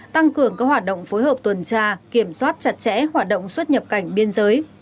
tăng cường các hoạt động phối hợp tuần tra kiểm soát chặt chẽ hoạt động xuất nhập cảnh biên giới